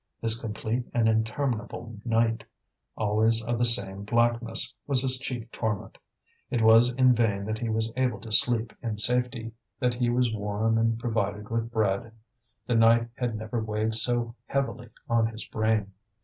This complete and interminable night, always of the same blackness, was his chief torment. It was in vain that he was able to sleep in safety, that he was warm and provided with bread, the night had never weighed so heavily on his brain.